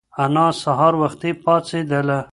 انا سهار وختي پاڅېدله.